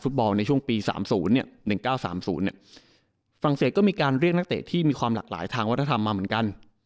ฝรั่ง๑๙๓๐เนี่ยฝรั่งเศสก็มีการเรียกนักเตะที่มีความหลากหลายทางวัฒนธรรมมาเหมือนกัน